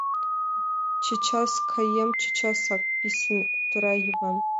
— Чечас каем, чечасак... — писын кутыра Йыван.